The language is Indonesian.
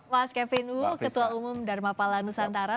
mas kevin u ketua umum dharma pala nusantara